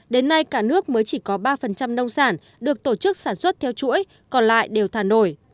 đến nay cả nước mới chỉ có ba nông sản được tổ chức sản xuất theo chuỗi còn lại đều thả nổi